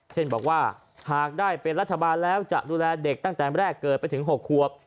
เช่นบอกว่าหากได้เป็นรัฐบาลแล้วจะดูแลเด็กตั้งแต่แรกเกิดไปถึง๖ควบ